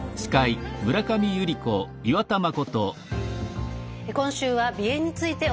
今週は鼻炎についてお伝えしています。